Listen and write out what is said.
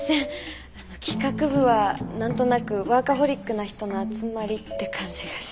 企画部は何となくワーカホリックな人の集まりって感じがして。